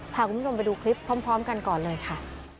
พาคุณผู้ชมไปดูคลิปพร้อมกันก่อนเลยค่ะ